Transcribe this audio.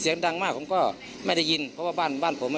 จนใดเจ้าของร้านเบียร์ยิงใส่หลายนัดเลยค่ะ